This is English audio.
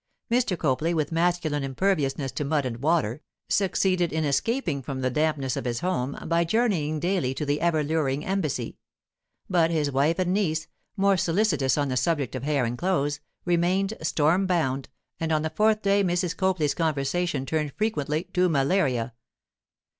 Mr. Copley, with masculine imperviousness to mud and water, succeeded in escaping from the dampness of his home by journeying daily to the ever luring Embassy. But his wife and niece, more solicitous on the subject of hair and clothes, remained storm bound, and on the fourth day Mrs. Copley's conversation turned frequently to malaria.